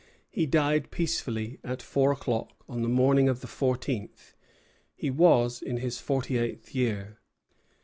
He died peacefully at four o'clock on the morning of the fourteenth. He was in his forty eighth year.